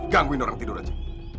gangguin orang tidur aja